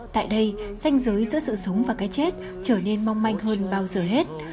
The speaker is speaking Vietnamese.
tại đây xanh giới giữa sự sống và cái chết trở nên mong manh hơn bao giờ hết